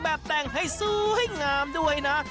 แบบแต่งให้สวยงามด้วยนะ